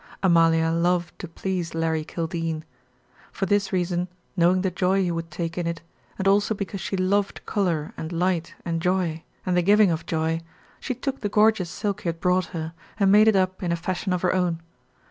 Amalia loved to please Larry Kildene. For this reason, knowing the joy he would take in it, and also because she loved color and light and joy, and the giving of joy, she took the gorgeous silk he had brought her, and made it up in a fashion of her own.